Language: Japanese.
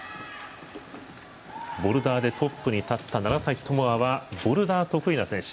ボルダーでトップに立った楢崎智亜はボルダーが得意な選手。